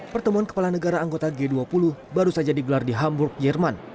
pertemuan kepala negara anggota g dua puluh baru saja digelar di hamburg jerman